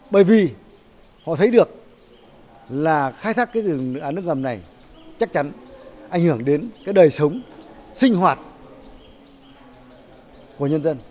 bởi vì họ thấy được là khai thác nước ngầm này chắc chắn ảnh hưởng đến đời sống sinh hoạt của nhân dân